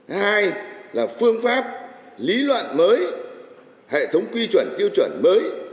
hai là phương pháp lý luận mới hệ thống quy chuẩn tiêu chuẩn mới